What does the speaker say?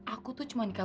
aku tuh cuma nikah